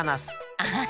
アハハ。